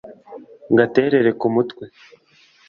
Ngaterere ku mutwe